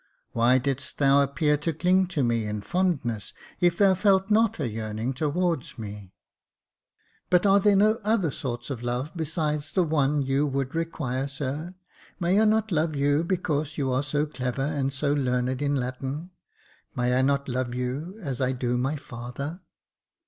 Why didst thou appear to cling to me in fondness, if thou felt not a yearning towards me ?"" But are there no other sorts of love besides the one you would require, sir ? May I not love you because you are so clever, and so learned in Latin .'' May I not love you as I do my father